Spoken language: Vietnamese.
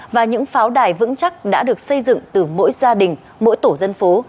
và những pháo đài vững chắc đã được xây dựng từ mỗi gia đình mỗi tổ dân phố